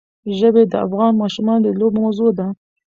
ژبې د افغان ماشومانو د لوبو موضوع ده.